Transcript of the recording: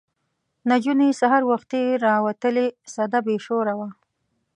نجونې سهار وختي راوتلې سده بې شوره وه.